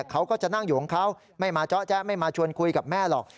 เขาก็จะนั่งอยู่ของเขาไม่มาเจาะแจ๊ไม่มาชวนคุยกับแม่หรอก